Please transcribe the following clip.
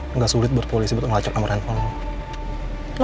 enggak sulit buat polisi untuk ngelacak nomor handphone lo